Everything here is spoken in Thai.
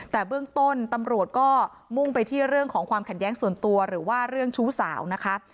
แต่เบื้องต้นตำรวจก็มุ่งไปที่เรื่องของความขัดแย้งส่วนตัวหรือว่าเรื่องชู้สาวนะคะ